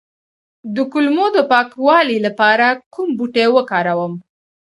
د کولمو د پاکوالي لپاره کوم بوټی وکاروم؟